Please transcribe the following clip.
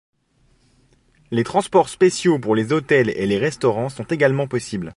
Les transports spéciaux pour les hôtels et les restaurants sont également possibles.